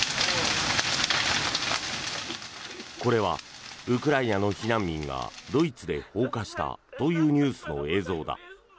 これはウクライナの避難民がドイツで放火したというニュースの映像だ。